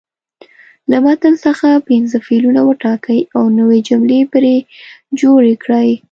له متن څخه پنځه فعلونه وټاکئ او نوې جملې پرې جوړې کړئ.